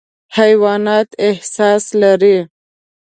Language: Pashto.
حیوانات احساس لري.